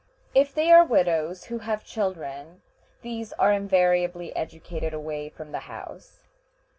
If they are widows who have children, these are invariably educated away from home.